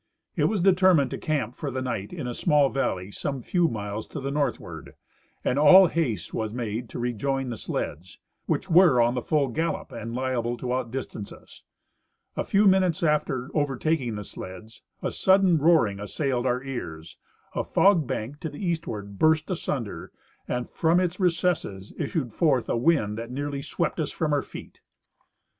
It Avas determined to camp for the night in a small valley some few miles to the northward, and all haste was made to rejoin the sleds, which were on the full gallop and liable to outdistance us. A few minutes after overtaking the sleds a sudden roaring assailed our ears, a fog bank to the eastward burst asunder, and from its recesses issued forth a wind that nearly swept us from our feet.